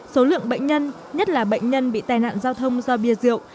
số lượng bệnh nhân nhất là bệnh nhân bị tai nạn giao thông do bia rượu